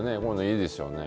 いいですよね。